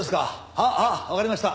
あっあっわかりました。